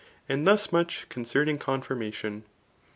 And thus much concerning confirmation.